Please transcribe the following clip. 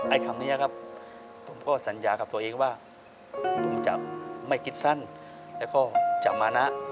คำนี้ครับผมก็สัญญากับตัวเองว่าผมจะไม่คิดสั้นแล้วก็จะมานะ